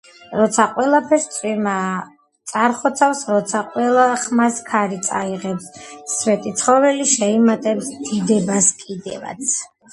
როცა ყველაფერს წვიმა წარხოცავს, როცა ყველა ხმას ქარი წაიღებს, სვეტიცხოველი შეიმატებს დიდებას კიდევაც.